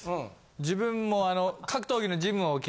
自分も。